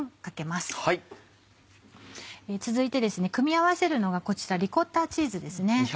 続いて組み合わせるのがこちらリコッタチーズです。